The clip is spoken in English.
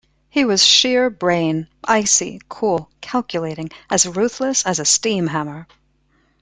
He was sheer brain, icy, cool, calculating, as ruthless as a steam hammer.